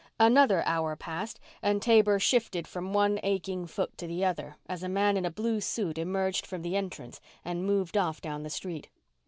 Another hour passed and Taber shifted from one aching foot to the other as a man in a blue suit emerged from the entrance and moved off down the street.